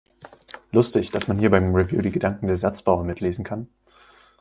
Lustig, dass man hier beim Review die Gedanken der Satzbauer mitlesen kann!